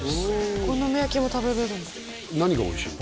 お好み焼きも食べれるんだ何がおいしいの？